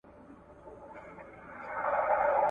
ناوړه فکرونه نه منل کېږي.